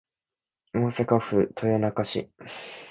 大阪府豊中市